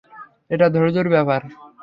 এটা ধৈর্যের ব্যাপার।